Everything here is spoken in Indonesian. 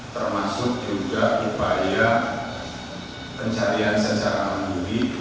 termasuk juga upaya pencarian secara mandiri